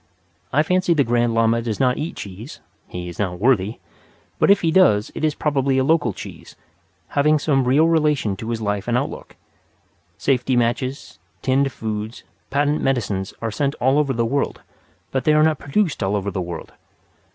I fancy the Grand Lama does not eat cheese (he is not worthy), but if he does it is probably a local cheese, having some real relation to his life and outlook. Safety matches, tinned foods, patent medicines are sent all over the world; but they are not produced all over the world.